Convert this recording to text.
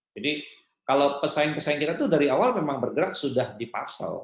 jadi kalau pesaing pesaing kita itu dari awal memang bergerak sudah diparsal